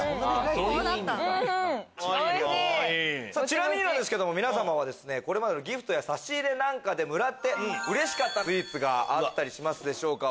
ちなみにですけど皆さまはこれまでのギフトや差し入れでもらってうれしかったスイーツがあったりしますでしょうか？